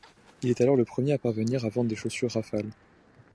Il est alors le premier à parvenir à vendre des chasseurs Rafale.